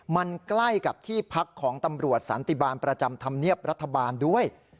มันใกล้กับที่พักของตำรวจสันติบาลประจำธรรมเนียบรัฐบาลด้วย